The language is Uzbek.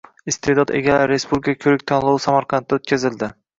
“Iste’dod egalari” respublika ko‘rik-tanlovi Samarqandda o‘tkazildi